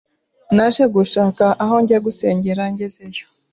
naje gushaka aho njya gusengera ngezeyo